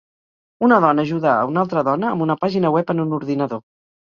Una dona ajuda a una altra dona amb una pàgina web en un ordinador.